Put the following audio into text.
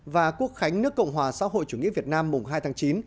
và quốc khánh nước cộng hòa xã hội chủ nghĩa việt nam mùng hai tháng chín